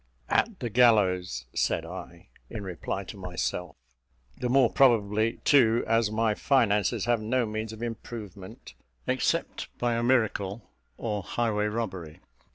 "At the gallows," said I, in reply to myself, "the more probably, too, as my finances have no means of improvement, except by a miracle or highway robbery.